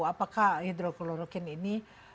apakah hydrochloroquine ini